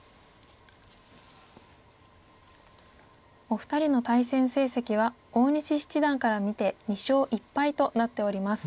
お二人の対戦成績は大西七段から見て２勝１敗となっております。